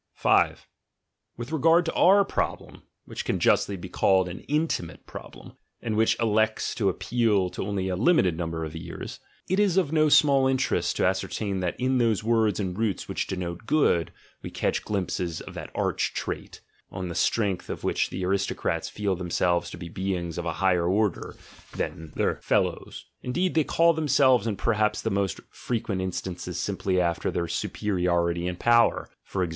With regard to our problem, which can justly be called an intimate problem, and which elects to appeal to only a limited number of ears: it is of no small interest to ascertain that in those words and roots which denote "good" we catch glimpses of that arch trait, on the strength of which the aristocrats feel themselves to be beings of a higher order than their fellows. Indeed, they 8 THE GENEALOGY OF MORALS call themselves in perhaps the most frequent instances simply after their superiority in power (e.g.